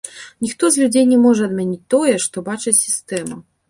Ніхто з людзей не можа адмяніць тое, што бачыць сістэма.